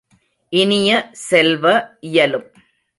இனிய செல்வ, இயலும்!